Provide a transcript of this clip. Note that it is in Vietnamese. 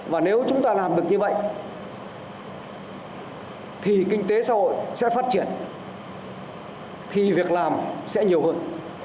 và nếu chúng ta làm được như vậy thì kinh tế xã hội sẽ phát triển thì việc làm sẽ nhiều hơn